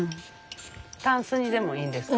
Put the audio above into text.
タンスにでもいいんですか？